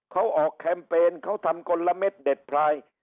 เขาออกแคมเปญเขาทำกลละเม็ดเด็ดพลาย